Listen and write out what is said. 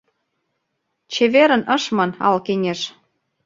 «Чеверын» ыш ман ал кеҥеж.